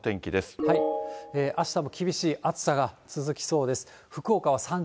あしたも厳しい暑さが続きそうです。